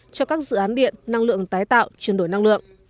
cho các dự án điện năng lượng tái tạo chuyển đổi năng lượng